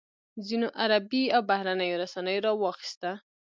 ځینو عربي او بهرنیو رسنیو راواخیسته.